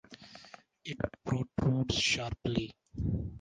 It protrudes sharply.